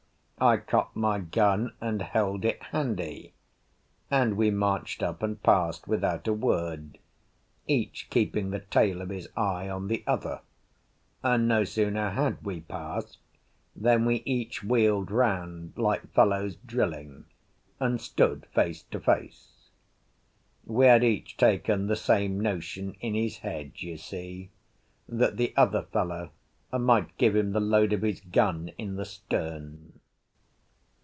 I cocked my gun and held it handy, and we marched up and passed without a word, each keeping the tail of his eye on the other; and no sooner had we passed than we each wheeled round like fellows drilling, and stood face to face. We had each taken the same notion in his head, you see, that the other fellow might give him the load of his gun in the stern.